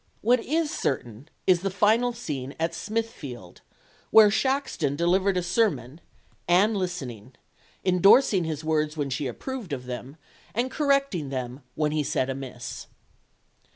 What is certain is the final scene at Smithfield, where Shaxton delivered a sermon, Anne listening, endorsing his words when she approved of them and correcting them "when he said amiss."